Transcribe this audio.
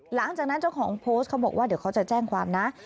หลังจากนั้นเจ้าของโพสต์เขาบอกว่าเดี๋ยวเขาจะแจ้งความนะ